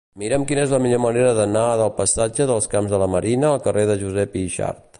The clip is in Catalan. Mira'm quina és la millor manera d'anar del passatge dels Camps de la Marina al carrer de Josep Yxart.